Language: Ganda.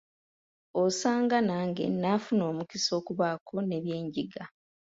Osanga nange nnaafuna omukisa okubaako ne bye njiga.